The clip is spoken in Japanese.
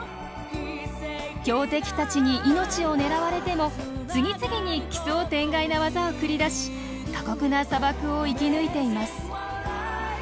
強敵たちに命を狙われても次々に奇想天外なワザを繰り出し過酷な砂漠を生き抜いています。